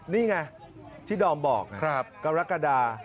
นี่ไงที่ดอมบอกกรกฎา